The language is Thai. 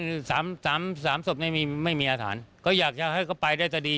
ยืนยาน๓ศพไม่มีอาถรรพ์ก็อยากให้เขาไปได้ต่อดี